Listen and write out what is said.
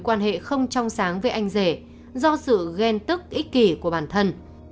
quan hệ không trong sáng với anh rể do sự ghen tức ích kỷ của bản thân